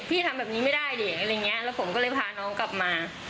ทำแบบนี้ไม่ได้ดิอะไรอย่างเงี้ยแล้วผมก็เลยพาน้องกลับมา